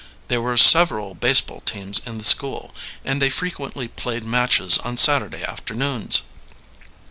There were several baseball teams in the school, and they frequently played matches on Saturday afternoons.